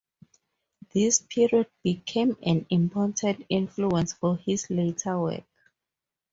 This period became an important influence for his later work.